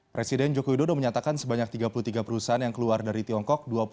presiden joko widodo menyatakan sebanyak tiga puluh tiga perusahaan yang keluar dari tiongkok